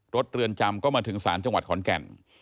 เรือนจำก็มาถึงศาลจังหวัดขอนแก่น